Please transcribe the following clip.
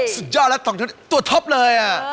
สุดยอดแล้วตัวท็อปเลย